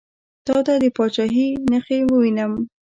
تاته د پاچهي نخښې وینم.